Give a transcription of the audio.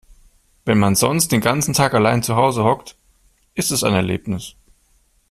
Wenn man sonst den ganzen Tag allein zu Hause hockt, ist es ein Erlebnis.